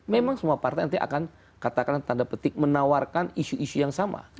memang semua partai nanti akan katakan tanda petik menawarkan isu isu yang sama